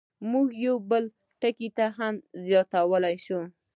موږ یو بل ټکی هم زیاتولی شو.